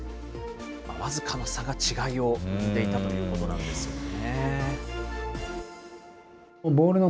僅かな差が違いを生んでいたということなんですよね。